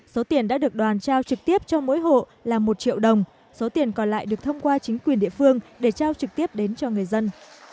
số tiền đã được đoàn trao trực tiếp cho mỗi hộ là một triệu đồng số tiền còn lại được thông qua chính quyền địa phương để trao trực tiếp đến cho người dân